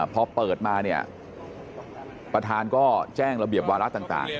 พอเปิดมาเนี่ยประธานก็แจ้งระเบียบวาระต่าง